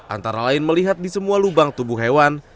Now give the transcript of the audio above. antara lain melihat di semua lubang tubuh hewan